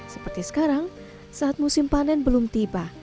seperti sekarang saat musim panen belum tiba